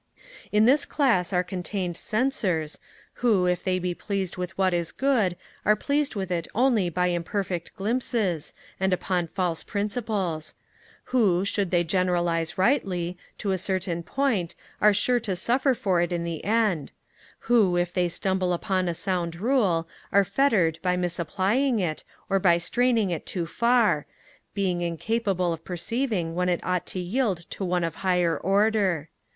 In this Class are contained censors, who, if they be pleased with what is good, are pleased with it only by imperfect glimpses, and upon false principles; who, should they generalize rightly, to a certain point, are sure to suffer for it in the end; who, if they stumble upon a sound rule, are fettered by misapplying it, or by straining it too far; being incapable of perceiving when it ought to yield to one of higher order.